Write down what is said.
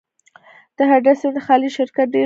د هډسن خلیج شرکت ډیر پخوانی دی.